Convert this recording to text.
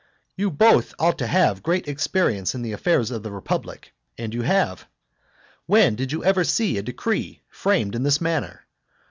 You both ought to have great experience in the affairs of the republic, and you have. When did you ever see a decree framed in this manner?